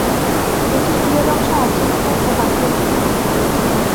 এটির কিয়দংশ আর্জেন্টিনায় ও বাকি অংশ চিলিতে পড়েছে।